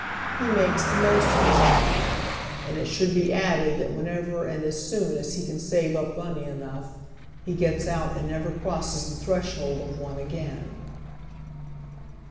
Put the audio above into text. He makes the most of ]iis tenement, and it should be added that when ever and as soon as he can save up money enough, he gets out and never crosses the threshold of one again.